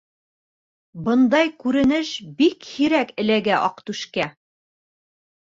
Бындай күренеш бик һирәк эләгә Аҡтүшкә.